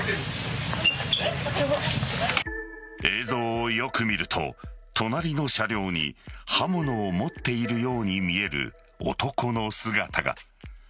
映像をよく見ると隣の車両に刃物を持っているように見える男の姿が。